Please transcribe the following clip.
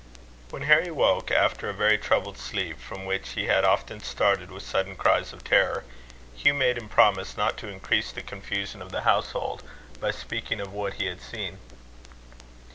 When Harry woke, after a very troubled sleep, from which he had often started with sudden cries of terror, Hugh made him promise not to increase the confusion of the household, by speaking of what he had seen.